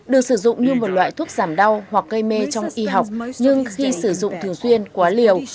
được sử dụng như một loại thuốc giảm đau hoặc gây mê trong y học nhưng khi sử dụng thường xuyên quá liều